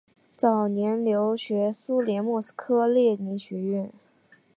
早年留学苏联莫斯科列宁学院。